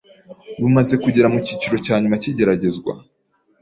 rumaze kugera mu cyiciro cya nyuma cy'igeragezwa.